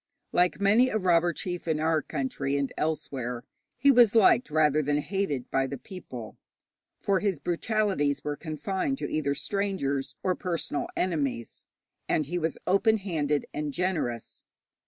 Like many a robber chief in our country and elsewhere, he was liked rather than hated by the people, for his brutalities were confined to either strangers or personal enemies, and he was open handed and generous.